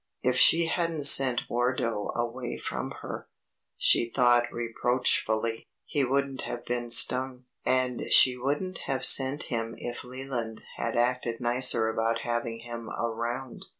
If she hadn't sent Wardo away from her, she thought reproachfully, he wouldn't have been stung, and she wouldn't have sent him if Leland had acted nicer about having him around.